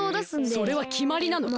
それはきまりなのか？